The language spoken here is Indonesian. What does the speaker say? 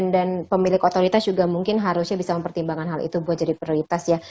dan pemilik otoritas juga mungkin harusnya bisa mempertimbangkan hal itu buat jadi prioritas ya